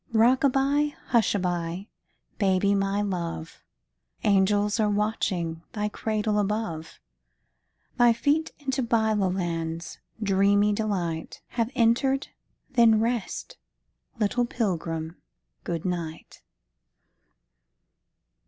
Rock a by, hush a by, baby, my love, Angels are watching thy cradle above. Thy feet into Byloland's dreamy delight Have entered, then rest, little pilgrim, good night.